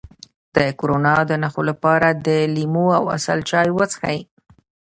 د کرونا د نښو لپاره د لیمو او عسل چای وڅښئ